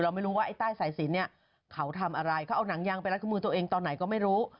ไม่รู้ว่าไอ้ใต้สายสินเนี่ยเขาทำอะไรเขาเอาหนังยางไปรัดข้อมือตัวเองตอนไหนก็ไม่รู้